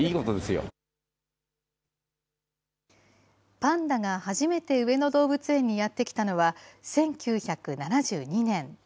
パンダが初めて上野動物園にやって来たのは１９７２年。